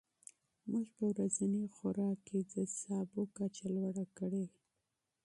موږ په ورځني خوراک کې د سبو کچه لوړه کړې.